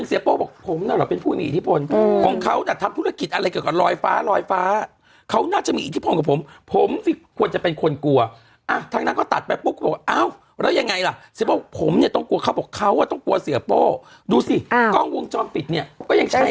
นี่ยูะหลานให้พาไปบสุโขทัยอยู่อยากไปมาก